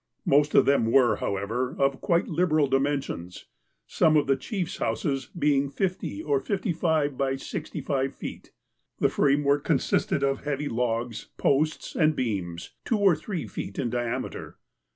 Most of them were, however, of quite liberal dimen sions, some of the chief's houses being fifty or fifty five by sixty five feet. The framework consisted of heavy logs, posts, and beams, two or three feet iu diameter.